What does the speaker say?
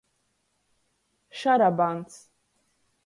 Šarabans.